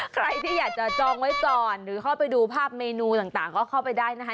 ใครที่อยากจะจองไว้ก่อนหรือเข้าไปดูภาพเมนูต่างก็เข้าไปได้นะคะ